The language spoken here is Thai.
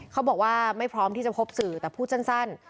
เขาบอกว่าไม่พร้อมที่จะพบสื่อแต่พูดสั้น